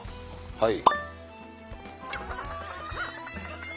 はい。